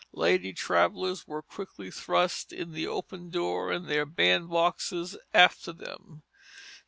Lady travellers were quickly thrust in the open door and their bandboxes after them.